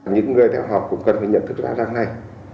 những người theo học cũng cần phải nhận thức ra đằng này